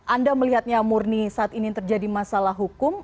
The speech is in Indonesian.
anda melihatnya murni saat ini terjadi masalah hukum